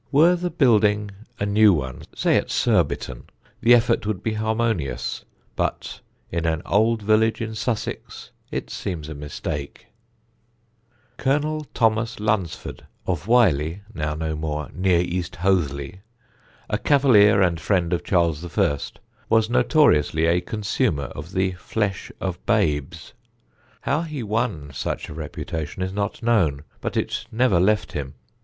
Were the building a new one, say at Surbiton, the effect would be harmonious; but in an old village in Sussex it seems a mistake. [Sidenote: THE CHILD EATER] Colonel Thomas Lunsford, of Whyly (now no more), near East Hoathly, a cavalier and friend of Charles I., was notoriously a consumer of the flesh of babes. How he won such a reputation is not known, but it never left him.